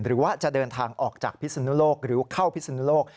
หรือว่าจะเดินทางออกจากพิศนุโลกหรือเข้าพิศนุโลก